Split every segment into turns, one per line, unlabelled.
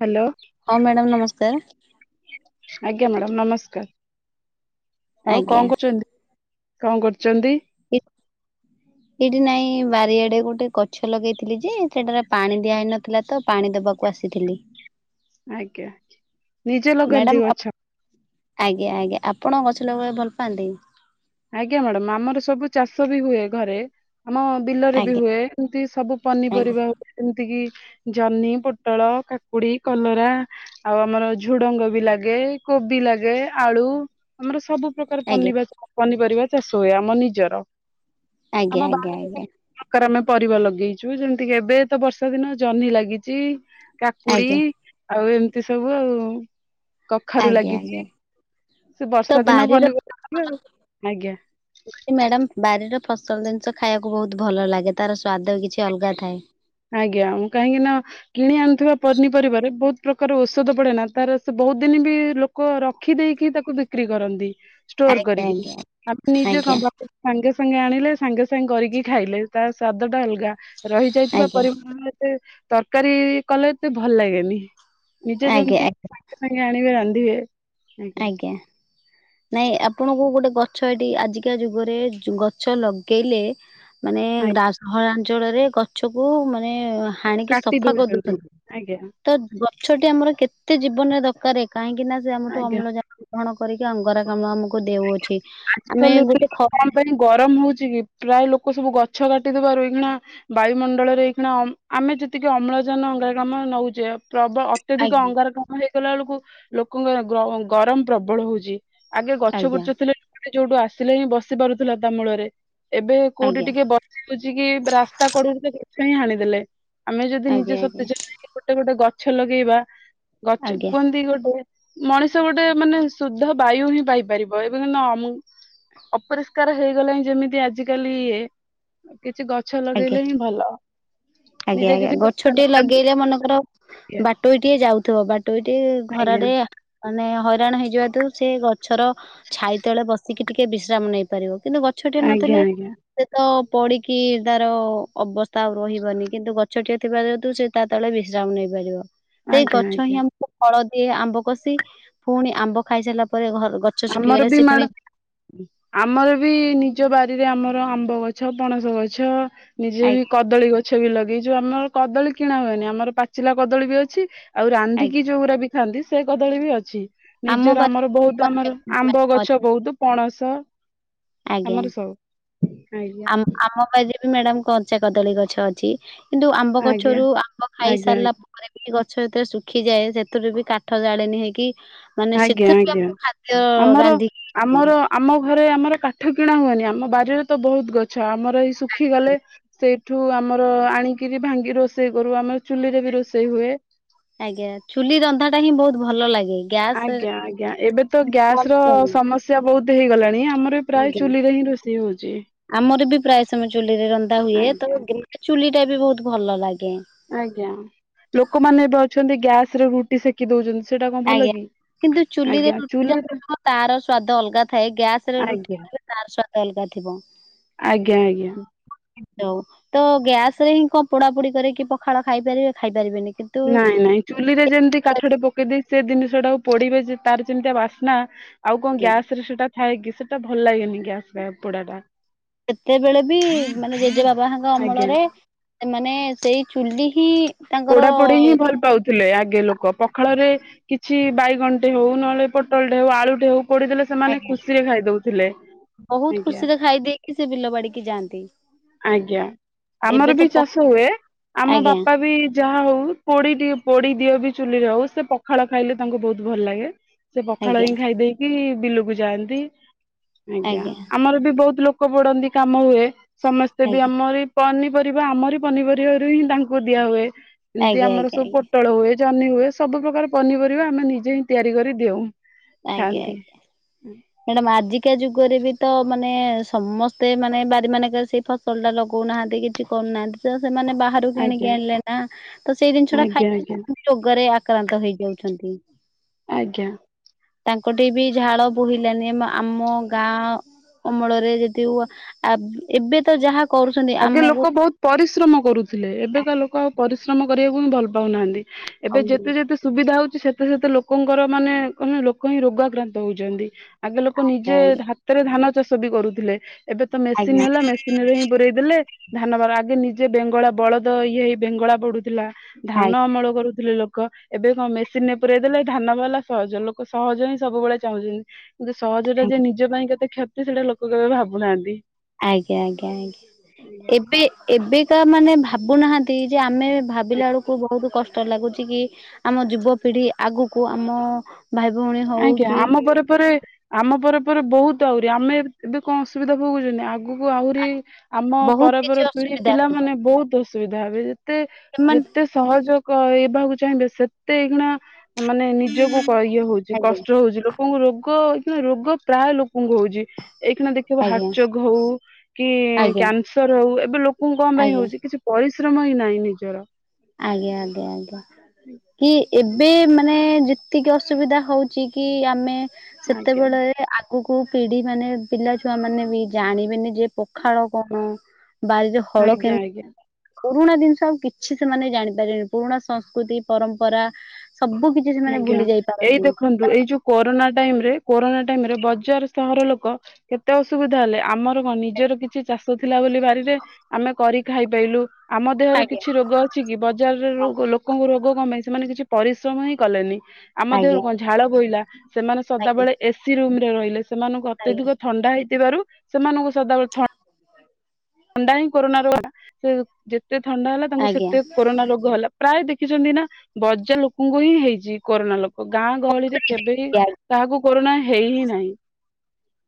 Hello.
ହଁ madam ନମସ୍କାର।
ଆଜ୍ଞା ମ୍ୟାଡାମ ନମସ୍କାର ଆଉ
ଆଜ୍ଞା।
କଣ କରୁଛନ୍ତି କଣ କରୁ
ଏଇଠି ନାଇଁ ବାରି ଆଡ଼େ ଗୋଟେ ଗଛ ଲଗେଇଥିଲି ଯେ ସେଟାରେ ପାଣି ଦିଆହେଇନଥିଲା ତ ପାଣି ଦବାକୁ ଆସିଥିଲି।
ଆଜ୍ଞା ନିଜେ
ମ୍ୟାଡ଼ାମ
ଲଗାନ୍ତି
ଆପ
ଗଛ।
ଆଜ୍ଞା ଆଜ୍ଞା ଆପଣ ଗଛ ଲଗେଇ ବାକୁ ଭଲ ପାଆନ୍ତି।
ଆଜ୍ଞା ମ୍ୟାଡାମ ଆମର ସବୁ ଚାଷ ବି ହୁଏ ଘରେ। ଆମ ବିଲରେ ବି
ଆଜ୍ଞା
ହୁଏ ଏମତି ସବୁ
ଆଜ୍ଞା
ପନିପରିବା ହୁଏ ଯେମିତି କିି ଜହ୍ନି, ପୋଟଳ, କାକୁଡ଼ି, କଲରା ଆଉ ଆମର ଝୁଡ଼ଙ୍ଗ ବି ଲାଗେ। କୋବି ଲାଗେ ଆଳୁ। ଆମର ସବୁ ପ୍ରକାର
ଆଜ୍ଞା
ପନିବା ପନିପରିବା ଚାଷ ହୁଏ ଆମ ନିଜର।
ଆଜ୍ଞା
ଆମ
ଆଜ୍ଞା
ବାର
ଆଜ୍ଞା
[unintelligible] ପରିବା ଲଗେଇଛୁ ଯେମିତିକି ଏବେ ତ ବର୍ଷା ଦିନ ଜହ୍ନି ଲାଗିଛି। କାକୁଡ଼ି
ଆଜ୍ଞା
ଆଉ ଏମିତି ସବୁ ଆଉ। କଖାରୁ
ଆଜ୍ଞା ଆଜ୍ଞା
ଲାଗିଛି ସେ
ତ
ବର୍ଷା ଦିନ
ବାରିର
ପନିପରିବା। ଆଜ୍ଞା
ମ୍ୟାଡାମ ବାରିର ଫସଲ ଜିନିଷ ଖାଇବାକୁ ବହୁତ୍ ଭଲ ଲାଗେ ତାର ସ୍ଵାଦ କିଛି ଅଲଗା ଥାଏ।
ଆଜ୍ଞା ମୁଁ କାହିଁକି ନା କିଣି ଆଣୁଥିବା ପନିପରିବାରେ ବହୁତ୍ ପ୍ରକାର ଔଷଧ ପଡେନା ତାର ସେ ବହୁତ୍ ଦିନ ବି ଲୋକ ରଖିଦେଇକି ରଖି ତାକୁ ବିକ୍ରି କରନ୍ତି ଷ୍ଟୋର୍
ଆଜ୍ଞା
କରିକି
ଆଜ୍ଞା
ଆମେ ନିଜେ
ଆଜ୍ଞା
କଣ ବାଡି ରୁ ସାଙ୍ଗେ ସାଙ୍ଗେ ସାଙ୍ଗେ ସାଙ୍ଗେ ଆଣିଲେ ସାଙ୍ଗେ ସାଙ୍ଗେ କରିକି ଖାଇଲେ ତା ସ୍ଵାଦ ଟା ଅଲଗା।
ଆଜ୍ଞା
ରହିଯାଇଥିବା ପରିମାଣରେ ଏତେ ତରକାରୀ କଲେ ଏତେ ଭଲ ଲାଗେନି। ନିଜେ
ଆଜ୍ଞା ଆଜ୍ଞା
ଯେମିତି ସାଙ୍ଗେ ସାଙ୍ଗେ ଆଣିବେ ରାନ୍ଧିବେ।
ଆଜ୍ଞା ନାଇଁ ଆପଣଙ୍କୁ ଗୋଟେ ଗ ଗଛ ଏଠି ଆଜିକା ଯୁଗରେ ଗଛ ଲଗେଇଲେ ମାନେ
ଆଜ୍ଞା
[unintelligible] ଅଞ୍ଚଳ ରେ ଗଛକୁ ମାନେ ହାଣିକି
କାଟି
ସଫା
ଦଉଛନ୍ତି
କରିଦଉଛନ୍ତି
ଆଜ୍ଞା
ତ ଗଛଟି ଆମର କେତେ ଜୀବନରେ ଦରକାର୍ କାହିଁକି ନା ସେ ଆମଠୁ
ଆଜ୍ଞା।
ଅମ୍ଳଜାନ ଗ୍ରହଣ କରିକି ଅଙ୍ଗାରକାମ୍ଳ ଆମକୁ ଦେଉଅଛି।
ଆଜି
ଆମେ
କାଲି ଏ
ଗୋଟେ ଖ
କଣ ପାଇଁ ଗରମ ହଉଛି କି ପ୍ରାୟ ଲୋକ ସବୁ ଗ ଗଛ କାଟିଦେବାରୁ ଏଇକିଣା ବାୟୁମଣ୍ଡଳରେ ଏଇକିଣା ଆମେ ଯେତିକି ଅମ୍ଳଜାନ ଅଙ୍ଗାରକାମ୍ଳ ନଉଛେ। ପ୍ରବ ଅତ୍ୟଧିକ
ଆଜ୍ଞା
ଅଙ୍ଗାରକାମ୍ଳ ହେଇଗଲା ବେଳକୁ ଲୋକଙ୍କର ଗ ଗରମ ପ୍ରବଳ ହଉଛି। ଆଗେ ଗଛ
ଆଜ୍ଞା
ବୁଛ ଥିଲେ ଲୋକଟେ ଯୋଉଠୁ ଆସିଲେ ହିଁ ବସି ପାରୁଥିଲା ତା ମୂଳରେ। ଏବେ କୋଉଠି
ଆଜ୍ଞା
ଟିକେ ବସିହଉଛି କି ରାସ୍ତା କଡ଼ ରୁ [unintelligible] ହିଁ ହାଣିଦେଲେ। ଆମେ ଯଦି
ଆଜ୍ଞା
ନିଜେ [unintelligible]
ଆଜ୍ଞା
ହେଇକି ଗୋଟେ ଗୋଟେ ଗଛ ଲଗେଇବା ଗଛ
ଆଜ୍ଞା
କୁହନ୍ତି ଗୋଟେ ମଣିଷ ଗୋଟେ ମାନେ ଶୁଦ୍ଧ ବାୟୁ ହିଁ ପାଇପାରିବ ଏବେ [unintelligible] ମୁଁ ଅପରିଷ୍କାର ହେଇଗଲାଣି ଯେମିତି ଆଜ କାଲି ଇଏ କିଛି ଗଛ
ଆଜ୍ଞା।
ଲଗେଇଲେ ହିଁ ଭଲ
ଆଜ୍ଞା
ନିଜେ
ଆଜ୍ଞା
କିଛି ଗଛ
ଗଛଟିଏ
ଲଗାନ୍ତୁ।
ଲଗେଇଲେ ମନେକର ବାଟୋଇଟିଏ ଯାଉଥିବ ବାଟୋଇଟି ଖରା
ଆଜ୍ଞା
ରେ ମାନେ ହଇରାଣ ହେଇଯିବା [unintelligible] ସେ ଗ ଗଛର ଛାଇ ତଳେ ବସିକି ଟିକେ ବିଶ୍ରାମ ନେଇ ପାରିବ କିନ୍ତୁ ଗଛଟେ
ଆଜ୍ଞା
ନଥିଲେ
ଆଜ୍ଞା
ସେ ତ ପଢିକି, ତାର ଅବସ୍ଥା ଆଉ ରହିବନି କିନ୍ତୁ ଗଛଟିଏ ଥିବା ଯେହେତୁ ସେ ତା ତେବେଳେ ବିଶ୍ରାମ ନେଇପାରିବ। ସେଇ
ଆଜ୍ଞା
ଗଛ ହିଁ
ଆଜ୍ଞା
ଆମକୁ ଫଳ ଦିଏ ଆମ୍ବ କଷି ପୁଣି ଆମ୍ବ ଖାଇସାରିଲା ପରେ ଘ
ଆମର ବି ମାଡ ଆମର ବି ନିଜ ବାରିରେ ଆମର ବ ଗଛ ପଣସ ଗଛ ନିଜେ ବି
ଆଜ୍ଞା
କଦଳୀ ଗଛ ବି ଲଗେଇଚୁ ଆମର, କଦଳୀ କିଣା ହୁଏନି ଆମର ପାଚିଲା କଦଳୀ ବି ଅଛି ଆଉ
ଆଜ୍ଞା
ରାନ୍ଧିକି ଯଉଗୁରା ବି ଖାନ୍ତି ସେ କଦଳୀ ବି ଅଛି
ଆମ
ନିଜର
ବାରି
ଆମର ବହୁତ ଆମର ଆମ୍ବ ଗଛ ବହୁତ ପଣସ ତ
ଆଜ୍ଞା
ଆଜ୍ଞା
ଆ ଆମ ମ୍ୟାଡାମ କଞ୍ଚା କଦଳୀ ଗଛ ଅଛି କିନ୍ତୁ ଆମ୍ବ
ଆଜ୍ଞା
ଗଛରୁ ଆମ୍ବ
ଆଜ୍ଞା ଆଜ୍ଞା
ଖାଇସାରିଲା ପରେ ବି ଗ ଗଛ ଯେତରେ ଶୁଖିଯାଏ ସେଥିରୁବି କାଠ ଜାଳେଣି ହେଇକି ମାନେ
ଆଜ୍ଞା
ସେଥିରୁ ବି
ଆଜ୍ଞା
ଆମକୁ ଖାଦ୍ୟ
ଆମର
ରାନ୍ଧିକି
ଆମର ଆମ ଘରେ ଆମର କାଠ କିଣା ହୁଏନି ଆମ ବାରିରେ ତ ବହୁତ ଗଛ ଆମର ଏଇ ଶୁଖିଗଲେ ସେ ଏଠୁ ଆମର ଆଣିକିରି ଭାଙ୍ଗି ରୋଷେଇ କରୁ ଆମ ଚୁଲିରେ ବି ରୋଷେଇ ହୁଏ।
ଆଜ୍ଞା ଚୁଲି ରନ୍ଧା ଟା ହିଁ ବହୁତ ଭଲ ଲାଗେ। ଗ୍ୟାସ ରେ
ଆଜ୍ଞା ଆଜ୍ଞା ଏବେ ତ
ଏତେ
ଗ୍ୟାସ ର
କଷ୍ଟ ହୁଏ।
ସମସ୍ୟା ବହୁତ ହେଇଗଲାଣି ଆ ଆମର ପ୍ରାୟ
ଆଜ୍ଞା।
ଚୁଲିରେ ହିଁ ରୋଷେଇ ହଉ
ଆମର ବି ପ୍ରାୟ ସମୟ ଚୁଲିରେ ରନ୍ଧା ହୁଏ ତ
ଆଜ୍ଞା
ଚୁଲି ଟା ବି ବହୁତ ଭଲ ଲାଗେ।
ଆଜ୍ଞା ଲୋକମାନେ ଏବେ ଅଛନ୍ତି ଗ୍ୟାସରେ ରୁଟି ସେକି ଦଉଛନ୍ତି ସେଇଟା କଣ ଭଲ
ଆଜ୍ଞା
କି?
କିନ୍ତୁ ଚୁଲିରେ
ଆଜ୍ଞା
ରୁଟିଟା
ଚୁଲିରେ
ତାର ସ୍ଵାଦ ଅଲଗା ଥାଏ ଗ୍ୟାସ ରେ ରୁଟି
ଆଜ୍ଞା
ତାର ସ୍ୱାଦ ଅଲଗା ଥିବ।
ଆଜ୍ଞା ଆଜ୍ଞା।
ହ ତ ଗ୍ୟାସ ରେ ହିଁ କଣ ପୋଡାପୋଡି କରିକିି ପଖାଳ ଖାଇପାରିବେ ଖାଇପାରିବେନି। କିନ୍ତୁ
ନାଇଁ ନାଇଁ ଚୁଲିରେ ଯେମିତି କାଠଟେ ପକେଇ ଦେଇ ସେ ଜିନିଷ ଟାକୁ ପୋଡିବେ ଯେ ତାର ଯେମିତିଆ ବାସ୍ନା ଆଉ କଣ ଗ୍ୟାସରେ ସେଟା ଥାଏ କି ସେ ହେଟା ଭଲ ଲାଗେନି ଗ୍ୟାସ ର ପୋଡା ଟା
ସେତେବେଳେ ବି ମାନେ ଜେଜେବାବାହେକା
ଆଜ୍ଞା
ଅମଳରେ ମାନେ ସେଇ ଚୁଲି ହିଁ ତାଙ୍କର
ପୋଢା ପୋଡିହିଁ ଭଲ ପାଉଥିଲେ ଆଗେ ଲୋକ ପଖାଳରେ କିଛି କିଛି ବାଇଗଣଟେ ହଉ ନହେଲେ ପୋଟଳଟେ ହଉ ଆଳୁଟେ ହଉ ପଡିଦେଲେ ସେମାନେ
ଆଜ୍ଞା
ଖୁସିରେ ଖାଇଦଉଥିଲେ।
ବହୁତ ଖୁସିରେ ଖାଇ ଦେଇକି ସେ ବିଲ ବାଡିକି ଯାଆନ୍ତି।
ଆଜ୍ଞା
ଏବେ
ଆମର ବି
ତ ପ
ଚାଷ ହୁଏ ଆମ
ଆଜ୍ଞା
ବାପା ବି ଯାହା ହଉ ପୋଡି ଟିକେ ପୋଡି ଦିଅ ବି ଚୁଲିରେ ହଉ ସେ ପଖାଳ ଖାଇଲେ ତାଙ୍କୁ ବହୁତ ଭଲ ଲାଗେ। ସେ ପଖାଳ
ଆଜ୍ଞା
ହିଁ ଖାଇ ଦେଇକି ବିଲକୁ ଯାଆନ୍ତି ଆଜ୍ଞା ଆମର ବି ବହୁତ ଲୋକ କ ପଡନ୍ତି କାମ ହୁଏ ସମସ୍ତେ ବି
ଆଜ୍ଞା
ଆମର ପନି ପରିବା ଆମରି ପନିପରିବାରୁ ହିଁ ତାଙ୍କୁ ଦିଆ ହୁଏ ଏମିତି
ଆଜ୍ଞା ଆଜ୍ଞା
ଆମର
ଆଜ୍ଞା ଆଜ୍ଞା
ସବୁ ପୋଟଳ ହୁଏ ଜହ୍ନି ହୁଏ ସବୁ ପ୍ର୍ରକାର ପନିପରିବା ଆମେ ନିଜେ ହିଁ ତିଆରି କରି ଦେଉ
ଆଜ୍ଞା
ଖାଆନ୍ତି
ଆଜ୍ଞା ମ୍ୟାଡାାମ ଆଜିକା ଯୁଗରେ ବି ତ ମାନେ ସମସ୍ତେ ମାନେ ବାରି ମାନେଙ୍କେରେ ସେଇ ଫସଲ ଟା ଲଗଉନାହାନ୍ତି କିଛି କରୁନାହାନ୍ତି ତ ସେମାନେ ବାହାରୁ
ଆଜ୍ଞା
କିଣିକି ଆଣିଲେ ନା ତ ସେଇ ଜିନିଷ ଟା
ଆଜ୍ଞା ଆଜ୍ଞା
ଖାଇକି ରୋଗରେ ଆ ଆକ୍ରାନ୍ତ ହେଇଯାଉଛନ୍ତି।
ଆଜ୍ଞା।
ତାଙ୍କଠି ବି ଝାଳ ବୋହିଲାନି ଆ ଆମ ଗାଁ ଅମଳରେ ଯଦି ଆ ଏବେ ତ ଯାହା କରୁଛନ୍ତି
ଆଗେ
ଆମକୁ
ଲୋକ ବହୁତ ପରିଶ୍ରମ କରୁଥିଲେ ଏବେକା ଲୋକ ଆଉ ପରିଶ୍ରମ କରିବାକୁ ହିଁ ଭଲ ପାଉନାହାନ୍ତି। ଏବେ
ଆଜ୍ଞା
ଯେତେ ଯେତେ ସୁବିଧା ହଉ ସେତେ ସେତେ ଲୋକଙ୍କର ମାନେ କେ ଲୋକ ହିଁ ରୋଗାକ୍ରାନ୍ତ ହଉଛନ୍ତି। ଆଗେ ଲୋକ ନିଜେ ହାତରେ ଧାନ ଚାଷ ବି କରୁଥିଲେ ଏବେ ତ ମେସିନ୍
ଆଜ୍ଞା ଆଜ୍ଞା
ହେଲା ମେସିନ ରେ ହିଁ ପୁରେଇ ଦେଲେ ଧାନବାର ଆଗେ ନିଜେ ବେଙ୍ଗଳା ବଳଦ ଇଏ ହେଇ ବେଙ୍ଗଳା ପଡୁଥିଲା। ଧାନ
ଆଜ୍ଞା
ଅମଳ କରୁଥିଲେ ଲୋକ। ଲୋକ ଏବେ କଣ ମେସିନରେ ପୁରଇ ଦେଲେ ଧାନ ବାହାରଲା ସହଜ ଲୋକ ସହଜ ହିଁ ସବୁବେଳେ ଚାହୁଁଛନ୍ତି। ଯେ ସହଜଟା ଯେ ନିଜ ପାଇଁ କେତେ କ୍ଷତି ସେଇଟା ଲୋକ କେବେ ଭାବୁନାହାନ୍ତି।
ଆଜ୍ଞା ଆଜ୍ଞା ଆଜ୍ଞା ଏବେ ଏବେକା ମାନେ ଭାବୁନାହାନ୍ତି ଯେ ଆମେ ଭାବିଲା ବେଳକୁ ବହୁତ କଷ୍ଟ ଲାଗୁଛି କି ଆମ ଯୁବପିଢି ଆଗକୁ ଆମ ଭାଇ ଭଉଣୀ ହଉ
ଆଜ୍ଞା
କି
ଆମ ପରେ ପରେ ଆମ ପରେ ପରେ ବହୁତ ଆହୁରି ଆମେ ଏବେ କଣ ଅସୁବିଧା ଭୋଗୁନି ଆଗ ଆଗକୁ ଆହୁରି ଆମ
ବହୁତ କିଛି
ପରପର ପିଢି
ଅସୁବିଧା
ପିଲାମାନେ
ହୋଇଥାଏ
ବହୁତ ଅସୁବିଧା ହେବେ। ତେ
ସେମାନେ
ଯେତେ ସହଜ କରେଇବାକୁ ଚାହିଁବେ ସେତେ ଏଇଗଣା ମାନେ ନିଜକୁ କ ଇଏ ହଉଛି
ଆଜ୍ଞା
କଷ୍ଟ ହଉଛି ଲୋକଙ୍କୁ ରୋଗ ହେଇକିନା ରୋଗ ପ୍ରାୟ ଲୋକ ଙ୍କୁ ହୋଉଛି ଏଇ ଖିନା ଦେଖିବ
ଆଜ୍ଞା
ହାର୍ଟଚକ୍ ହଉ କି
ଆଜ୍ଞା
କ୍ୟାନସର ହଉ ଏବେ ଲୋକ ପୁ କଣ ପାଇଁ
ଆଜ୍ଞା
ହଉଛି କିଛି ପରିଶ୍ରମ ହିଁ ନାହିଁ ନିଜର।
ଆଜ୍ଞା ଆଜ୍ଞା ଆଜ୍ଞା କି? ଏବେ ମାନେ ଯେତିକି ଅସୁବିଧା ହଉଛି କି ଆମେ
ଆଜ୍ଞା
ସେତେବେଳେ ଆଗ ଆଗକୁ ପିଢି ମାନେ ପିଲା ଛୁଆ ମାନେ ବି ଜାଣିବେ ନି ଯେ ପଖାଳ କଣ? ବାରିରେ ହଳ
ଆଜ୍ଞା
କେମତି
ଆଜ୍ଞା
ପୁରୁଣା ଜିନିଷ ଆଉ କିଛି ସେମାନେ ଜାଣିପାରିବେନି ପୁରୁଣା ସଂସ୍କୃତି ପରମ୍ପରା। ସବୁ କିଛି ସେମାନେ
ଆଜ୍ଞା
ଭୁଲି ଯାଇ
ଏଇ
ପାରନ୍ତିନି
ଦେଖନ୍ତୁ ଏଇ ଯୋଉ କରୋନା ଟାଇମ୍ ରେ କୋରୋନା ଟାଇମରେ ବଜାର ସହର ଲୋକ କେତେ ଅସୁବିଧା ହେଲେ ଆମର ହଁ ନିଜର କିଛି ଚାଷ ଥିଲା ବୋଲି ବାରିରେ ଆମେ କରି ଖାଇପାରିଥିଲୁ। ଆମ ଦେହରେ
ଆଜ୍ଞା
କିଛି ରୋଗ ଅଛି କି ବଜାରରେ ରୋଗ ଲୋକଙ୍କୁ ରୋଗ କ ପାଇଁ ସେମାନେ କିଛି ପରିଶ୍ରମ ହିଁ କଲେନି। ଆମ ଦେହରୁ
ଆଜ୍ଞା
କଣ ଝାଳ ବୋହିଲା ସେମାନେ
ଆଜ୍ଞା ଆଜ୍ଞା
ସଦାବେେଳେ ଏ ସିି ରୁମରେ ରହିଲେ। ସେମାନଙ୍କୁ ଅତ୍ୟଧିକ ଥଣ୍ଡା ହେଇଥିବାରୁ ସେମାନଙ୍କୁ ସଦାବେଳେ ଥ ଥଣ୍ଡା ହିଁ କରୋନା ର [unintelligible] ସେ ଯେତେ ଥଣ୍ଡା ହେଲା ତାଙ୍କୁ
ଆଜ୍ଞା
ସେତେ କରୋନା ରୋଗ ହେଲା ପ୍ରାୟ ଦେ ଦେଖିଛନ୍ତି ନା ବଜା ଲୋକଙ୍କୁ ହିଁ ହେଇଛି କୋରୋନା ଲୋକ ଗାଁ ଗହଳିରେ କେବେ
ଆଜ୍ଞା
କାହାକୁ କରୋନା ହେଇ ହିଁ ନାହିଁ।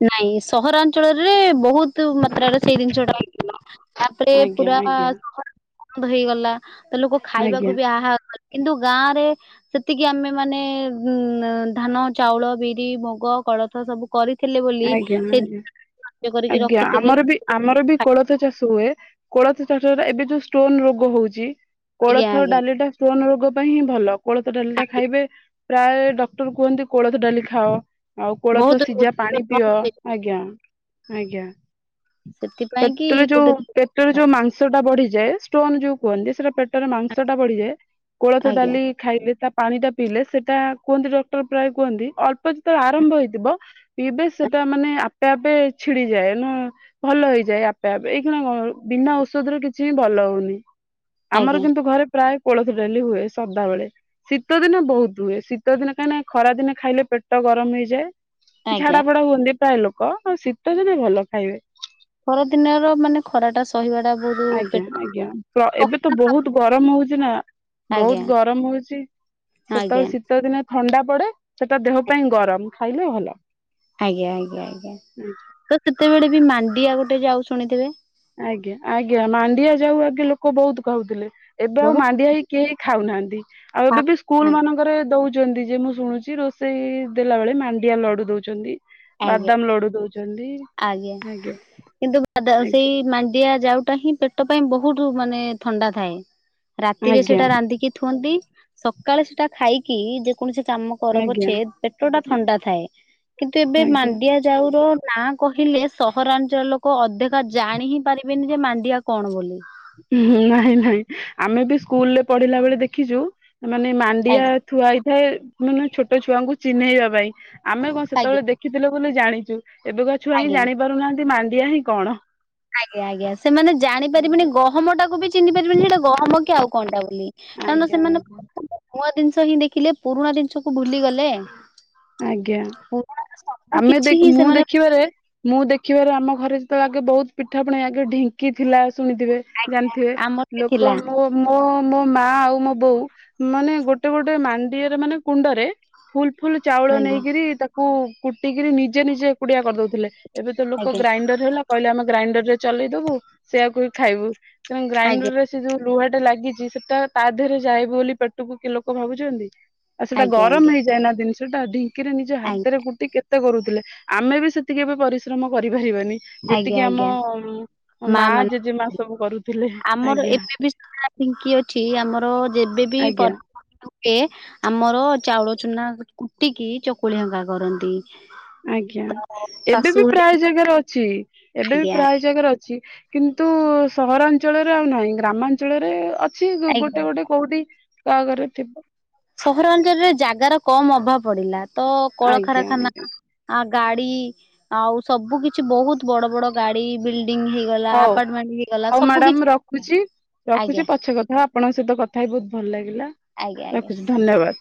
ନାଇଁ ସହରାଞ୍ଚଳରେ ବୋହୁତ ମାତ୍ରାରେ ସେଇ ଜିନିଷ ଟାହେଇଥିଲା। ତାପରେ
ଆଜ୍ଞା
ପୁରା
ଆଜ୍ଞା
ସହ ବନ୍ଦ ହେଇଗଲା ତା ଲୋକ
ଆଜ୍ଞା
ଖାଇବାକୁ ବି ଆହ କିନ୍ତୁ ଗାଁ ରେ ସେତିକି ଆମେ ମାନେ ଉ ଧାନ ଚାଉଳ ବିରି ମୁଗ ଫଳ ତ ସ କରି
ଆଜ୍ଞା ଆଜ୍ଞା
କରିକି
ଆଜ୍ଞା
ରଖିଥିଲେ
ଆମର ବି ଆମର ବି କୋଳଥ ଚାଷ ହୁଏ। କୋଳଥ ଚାଷରେ ଏବେ ଯୋଉ ଷ୍ଟୋନ ରୋଗ ହଉଛି
ଆଜ୍ଞା
କୋଳଥ
ଆଜ୍ଞା
ଡାଲିଟା ଷ୍ଟୋନ ରୋଗ ପାଇଁ ହିଁ ଭଲ କୋଳଥ ଡାଲି ଟା
ଆଜ୍ଞା
ଖାଇବେ ପ୍ରାୟ ଡକ୍ଟର କୁହନ୍ତି କୋଳଥ ଡାଲି ଖାଅ। ଆଉ କୋଳଥ
ବହୁତ
ସିଝା
ରୋଜଗାର
ପାଣି
ବନ୍ଦ
ପିଅ
ହେଇଯାଉଛି,
ଆଜ୍ଞା ଆଜ୍ଞା।
ସେଥିପାଇଁ କି
ପେଟରେ
ଗୋଟେ
ଯୋଉ ପେଟରେ ଯୋଉ ମାଂସ ଟା ବଢିଥାଏ ଷ୍ଟୋନ ଯୋଉ କୁହନ୍ତି, ସେଟା ପେଟରେ ମାଂସ ଟା ବଢିଯାଏ କୋଳଥ
ଆଜ୍ଞା
ଡାଲି ଖାଇଲେ ତା ପାଣି ଟା ପିଇଲେ ସେଟା କୁହନ୍ତି ଡକ୍ଟର ପ୍ରାୟ କୁହନ୍ତି ଅଳ୍ପ ଯେତେବେଳେ ଆରମ୍ଭ ହେଇଥିବ ବେଶ ସେଟା ମାନେ ଆପେ ଆପେ ଛିଡିଯାଏ ନ ଭଲ ହେଇଯାଏ, ଆପେ ଆପେ ଏଇ କ ବିନା ଔଷଧରେ କିଛି ହ ଭଲ ହଉନି ଆମର
ଆଜ୍ଞା
କିନ୍ତୁ ଘରେ ପ୍ରାୟ କୋଳଥ ଡାଲି ହୁଏ ସଦାବେଳେ ଶୀତ ଦିନ ବହୁତ ହୁଏ, ଶୀତ ଦିନ କାହିଁକି ଖରା ଦିନ ଖାଇଲେ ପେଟ ଗରମ ହେଇଯାଏ,
ଆଜ୍ଞା
ଝାଡାଫାଡା ହୁଅନ୍ତି ପ୍ରାୟ ଲୋକ, ଆଉ ଶୀତଦିନେ ଭଲ ଖାଇବେ।
ଖରାଦିନ ର ମାନେ ଖରାଟା ସହି
ଆଜ୍ଞା ଆଜ୍ଞା ପ୍ର ଏବେ ତ
ଖା
ବୋହୁତ ଗରମ ହୋଉଚି ନା।
ଆଜ୍ଞା
ବୋହୁତ ଗରମ ହୋଉଚି,
ଆଜ୍ଞା
ସେତେବେଳେ ଶୀତଦିନେ ତ ଥଣ୍ଡା ପଡେ ସେଟା ଦେହ ପାଇଁ ଗରମ ଖାଇଲେ ଭଲ।
ଆଜ୍ଞା ଆଜ୍ଞା ଆଜ୍ଞା ତ କେତେବେଳେ ବି ମାଣ୍ଡିଆ ଗୋଟେ ଯାଉ ଶୁଣିଥିବେ?
ଆଜ୍ଞା ଆଜ୍ଞା ମାଣ୍ଡିଆ ଯାଉ ଆଗେ ଲୋକ ବହୁତ ଖାଉଥିଲେ। ଏବେ ଆଉ
ବହୁତ
ମାଣ୍ଡିଆ ହେଇ କେହି ଖାଉନାହାନ୍ତି, ଆଉ
ଖା
ଏବେ ବି ସ୍କୁଲ ମାନଙ୍କରେ ଦଉ ଛନ୍ତି ଯେ ମୁଁ ଶୁଣୁଛି ରୋଷେଇ ଦେଲା ବେଳେ ମାଣ୍ଡିଆ ଲଡୁ ଦଉଛନ୍ତି।
ଆଜ୍ଞା
ବାଦାମ ଲଡୁ ଦଉଛନ୍ତି
ଆଜ୍ଞା କିନ୍ତୁ [unintelligible]
ଆଜ୍ଞା
ସେଇ ମାଣ୍ଡିଆଯାଉଟା ହିଁ ପେଟ ପାଇଁ ବହୁତ ମାନେ ଥଣ୍ଡା ଥାଏ। ରାତିରେ
ଆଜ୍ଞା
ସେଟା ରାନ୍ଧିକି ଥୁଅନ୍ତି, ସକାଳେ ସେଟା ଖାଇକି କୌଣସି କାମ କର
ଆଜ୍ଞା
ପଛେ, ପେଟ ଟା ଥଣ୍ଡା ଥାଏ କିନ୍ତୁ ଏବେ
ଆଜ୍ଞା।
ମାଣ୍ଡିଆ ଯାଉ ନାଁ କହିଲେ ସହରାଞ୍ଚଳ ଲୋକ ଅଧିକା ଜାଣି ହିଁ ପାରିବେନି ଯେ -ମାଣ୍ଡିଆ କଣ ବୋଲି।
ନାଇଁ ନାଇଁ ଆମେ ବି ସ୍କୁଲରେ ପଢିଲା ବେଳେ ଦେଖିଛୁ। ମାନେ ମାଣ୍ଡିଆ
ଆଜ୍ଞା
ଥୁଆ ହେଇଥାଏ, ମାନେ ଛୋଟ ଛୁଆଙ୍କୁ ଚିହ୍ନେଇବା ପାଇଁ। ଆମେ କଣ
ଆଜ୍ଞା
ସେତେବେଳେ ଦେଖିଥିଲେ ବୋଲି ଜାଣିଛୁ, ଏବେକା ଛୁଆ ହିଁ
ଆଜ୍ଞା।
ଜାଣି ପାରୁନାହାନ୍ତି ମାଣ୍ଡିଆ ହିଁ କଣ।
ଆଜ୍ଞା, ଆଜ୍ଞା, ସେମାନେ ଜାଣିପାରିବେନି
ଆଜ୍ଞା
ଗହମ ଟାକୁବି ଚିହ୍ନି ପାରିବେନି ସେଟା ଗହମ କି ଆଉ କଣଟା। କାରଣ
ଆଜ୍ଞା
ସେମାନେ
ଆଜ୍ଞା।
ନୂଆ ଜିନିଷ ହିଁ ଦେଖିଲେ ପୁରୁଣା ଜିନିଷକୁ ଭୁଲିଗଲେ।
ଆଜ୍ଞା ଆମେ
କିଛି ହିଁ
ମୁଁ
ସେମାନେ
ଦେଖିବାରେ ମୁଁ ମୁଁ ଦେଖିବାରେ, ଆମ ଘରେ ଆଗେ ବହୁତ ପିଠା ପଣା ଆଗେ ଢିଙ୍କି ଥିଲା ଶୁଣିଥିବେ, ଜାଣିଥିବେ,
ଆମର ବି
ଲୋକ
ଥିଲା
ମୋ ମୋ ମୋ ମା ଆଉ ମୋ ବୋଉ ମାନେ ଗୋଟେ ଗୋଟେ ମାଣ୍ଡିଆ ରେ ମାନେ କୁଣ୍ଡରେ ଫୁଲ ଫୁଲ ଚାଉଳ
ଆଜ୍ଞା
ନେଇକିରି ତାକୁ କୁଟିକିରି ନିଜେ ନିଜେ ଏକୁଟିଆ କରିଦଉଥିଲେ। ଏବେ ତ ଲୋକ
ଆଜ୍ଞା
ଗ୍ରାଇଣ୍ଡର ହେଲା କହିଲେ, ଆମେ ଗ୍ରାଇଣ୍ଡର ରେ ଚଲେଇଦବୁ, ସେଇଆକୁ ହିଁ ଖାଇବୁ। ତେଣୁ ଗ୍ରାଇଣ୍ଡର
ଆଜ୍ଞା
ରେ ସେ ଯୋଉ ଲୁହା ଟା ଲାଗିଛି ସେଟା ତା ଦେହରେ ଯାଏ ବୋଲି ପେଟକୁ କି ଲୋକ ଭାବୁଛନ୍ତି। ଆଉ ସେଇଟା
ଆଜ୍ଞା ଆଜ୍ଞା
ଗରମ ହେଇଯାନା ଜିନିଷଟା ଢିଙ୍କିରେ ନିଜ
ଆଜ୍ଞା।
ହାତରେ କୁ କେତେ କରୁଥିଲେ ଆମେ ବି ସେତିକି ଏବେ ପରିଶ୍ରମ କରିପାରିବାନି।
ଆଜ୍ଞା
ଯେତିକି ଆମ
ଆଜ୍ଞା
ମା, ଜେଜେମା ସବୁ କରୁ
ଆମର ଏବେ ବି ସେଭଳିଆ ଢିଙ୍କିଅଛି, ଆମର ଯେବେବି
ଆଜ୍ଞା
ପର୍ ସେ ଆମର ଚାଉଳ ଚୁନା କୁଟିକି ଚକୁଳି ହଙ୍କା କରନ୍ତି।
ଆଜ୍ଞା
ତ
ଏବେ
ଶାଶୁ
ବି
ଘରେ
ପ୍ରାୟ ଜାଗାରେ ଅଛି, ଏବେ ବି
ଆଜ୍ଞା
ପ୍ରାୟ ଜାଗାରେ ଅଛି, କିନ୍ତୁ ତୁ ସହରାଞ୍ଚଳରେ ଆଉ ନାହିଁ, ଗ୍ରାମାଞ୍ଚଳରେ ଅଛି,
ଆଜ୍ଞା
ଗୋଟେ, ଗୋଟେ, କୋଉଠି କା ଘରେ ଥିବ।
ସହରାଞ୍ଚଳରେ ଜାଗାର କମ ଅଭାବ ପଡିଲା ତ,
ଆଜ୍ଞା ଆଜ୍ଞା
କଳକାରାରଖାନା ଗାଡି ଆଉ ସବୁ କିଛି ବହୁତ ବଡ ବଡ ଗାଡି, ବିଲଡିଙ୍ଗ ହେଇଗଲା,
ହଉ
ଆପାର୍ଟମେଣ୍ଟ ହେଇଗଲା,
ହଉ
ସବୁ କି
ମ୍ୟାଡାମ ରଖୁଛି ରଖୁଛି, ପଛେ କଥା, ଆପଣଙ୍କ ସହିତ କଥା ହି ବହୁତ ଭଲ ଲାଗିଲା,
ଆଜ୍ଞା
ରଖୁଛି
ଆଜ୍ଞା।
ଧନ୍ୟବାଦ।